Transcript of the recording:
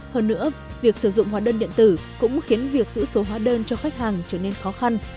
hơn nữa việc sử dụng hóa đơn điện tử cũng khiến việc giữ số hóa đơn cho khách hàng trở nên khó khăn